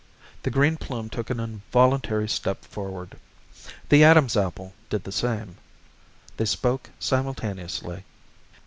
The Green Plume took an involuntary step forward. The Adam's Apple did the same. They spoke simultaneously.